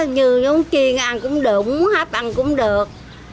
như giống chiên ăn cũng được muốn hấp ăn cũng được